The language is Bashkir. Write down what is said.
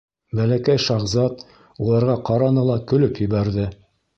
Бәләкәй шаһзат уларға ҡараны ла көлөп ебәрҙе: